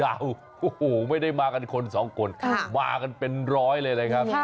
โอ้โหไม่ได้มากันคนสองคนมากันเป็นร้อยเลยนะครับ